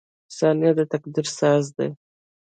• ثانیه د تقدیر ساز دی.